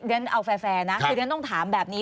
เอาแฟร์นะคือเรียกต้องถามแบบนี้